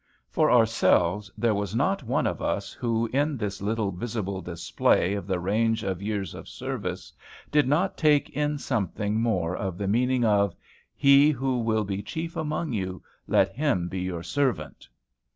For ourselves, there was not one of us who, in this little visible display of the range of years of service, did not take in something more of the meaning of, "He who will be chief among you, let him be your servant."